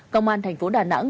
công an thành phố đà nẵng